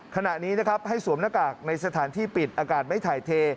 ขณะนี้นะครับให้สวมหน้ากากในสถานที่ปิดอากาศไม่ถ่ายเท